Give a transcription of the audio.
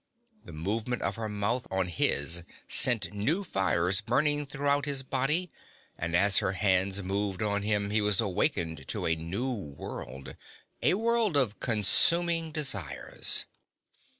The movement of her mouth on his sent new fires burning throughout his body, and as her hands moved on him he was awakened to a new world, a world of consuming desires.